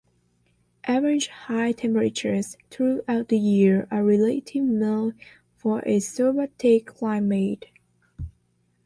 Average high temperatures throughout the year are relatively mild for a subarctic climate.